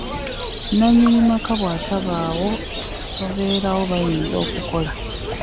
Nannyini maka bw'atabaawo ababeeramu bayinza okukola.